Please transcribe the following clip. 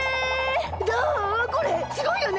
これすごいよね？